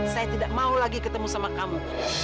saya tidak mau lagi ketemu sama kamu